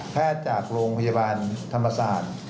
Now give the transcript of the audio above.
แพทย์จากโรงพยาบาลธรรมศาล